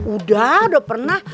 udah udah pernah